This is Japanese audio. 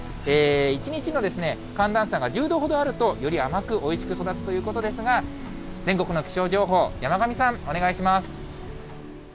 １日の寒暖差が１０度ほどあると、より甘く、おいしく育つということですが、全国の気象情報、山神